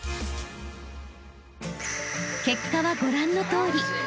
［結果はご覧のとおり］